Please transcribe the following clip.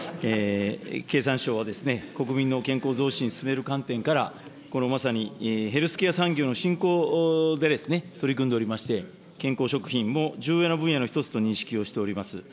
経産省は、国民の健康増進、進める観点から、このまさにヘルスケア産業の振興で取り組んでおりまして、健康食品も重要な分野の一つと認識をしております。